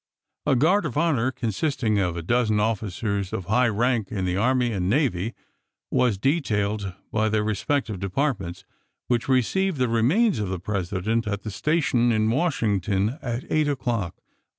A guard of honor consisting of a dozen officers of high rank in the army and 320 ABRAHAM LINCOLN chap. xvi. navy1 was detailed by their respective depart ments, which received the remains of the President at the station in Washington at eight o'clock on lees.